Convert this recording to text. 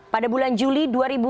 pada bulan juli dua ribu dua puluh